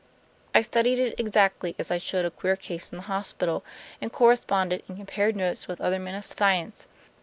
I studied it exactly as I should a queer case in the hospital, and corresponded and compared notes with other men of science.